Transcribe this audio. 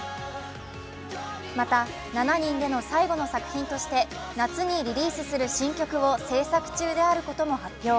また、７人での最後の作品として夏にリリースする新曲を制作中であることも発表。